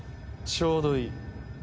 ちょうどいい。